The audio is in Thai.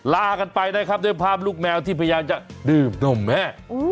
ลากันไปนะครับด้วยภาพลูกแมวที่พยายามจะดื่มนมแม่